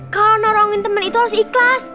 kalau norongin temen itu harus ikhlas